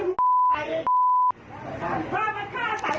มีใจป้ามันเซ็งมันกล้าใส่